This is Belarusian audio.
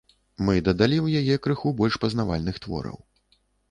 Мы дадалі ў яе крыху больш пазнавальных твораў.